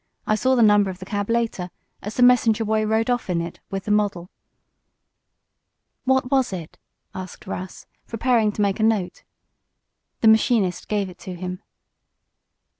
I saw the number of the cab, later, as the messenger boy rode off in it with the model." "What was it?" asked Russ, preparing to make a note. The machinist gave it to him.